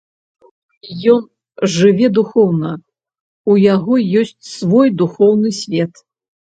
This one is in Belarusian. Ён жыве духоўна, у яго ёсць свой духоўны свет.